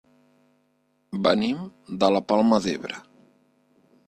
Venim de la Palma d'Ebre.